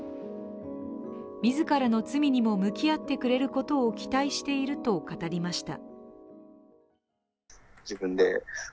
自らの罪にも向き合ってくれることを期待していると語りました。